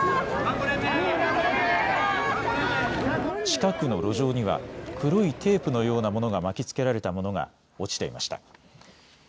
近くの路上には黒いテープのようなものが巻きつけられたものが落ちていました。